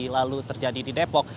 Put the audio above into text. lalu terjadi di depok